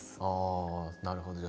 ああなるほど。